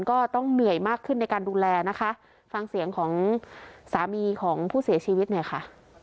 ก็ต้องเหนื่อยมากขึ้นในการดูแลนะคะฟังเสียงของสามีของผู้เสียชีวิตหน่อยค่ะ